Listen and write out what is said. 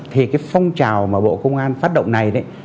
thì cái phong trào mà bộ công an phát động này đấy